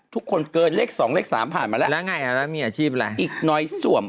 ทุกคนเกินเลข๒เลข๓ผ่านมาแล้ว